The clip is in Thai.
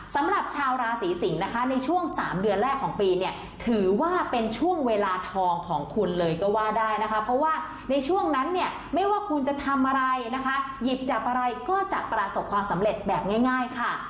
สำหรับชาวราศีสิงศ์นะคะในช่วง๓เดือนแรกของปีเนี่ยถือว่าเป็นช่วงเวลาทองของคุณเลยก็ว่าได้นะคะเพราะว่าในช่วงนั้นเนี่ยไม่ว่าคุณจะทำอะไรนะคะหยิบจับอะไรก็จะประสบความสำเร็จแบบง่ายค่ะ